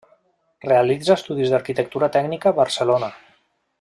Realitza estudis d'arquitectura tècnica a Barcelona.